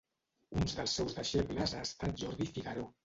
Un dels seus deixebles ha estat Jordi Figaró.